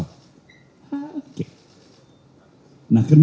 nah kenal hak yang seakan akan kesan